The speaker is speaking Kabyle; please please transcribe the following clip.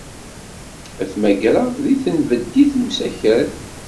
Ad t-mmagreɣ deg tenbeddit n usakal.